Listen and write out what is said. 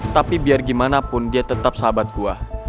tapi biar gimana pun dia tetap sahabat gue